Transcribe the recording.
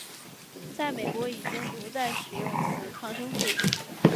在美国已经不再使用此抗生素。